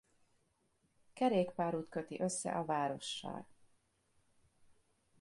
Kerékpárút köti össze a várossal.